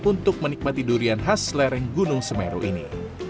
untuk menikmati durian khas lereng gunung semeru ini